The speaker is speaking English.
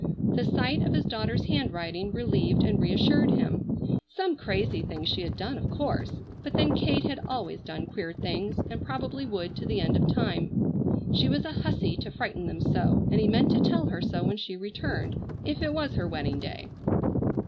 The sight of his daughter's handwriting relieved and reassured him. Some crazy thing she had done of course, but then Kate had always done queer things, and probably would to the end of time. She was a hussy to frighten them so, and he meant to tell her so when she returned, if it was her wedding day.